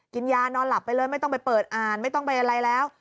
กินยานอนหลับไปเลยไม่ต้องไปเปิดอ่านไม่ต้องไปอะไรแล้ว